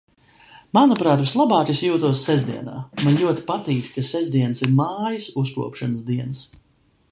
Manuprāt, vislabāk es jūtos sestdienā. Man ļoti patīk, ka sestdienas ir mājas uzkopšanas dienas.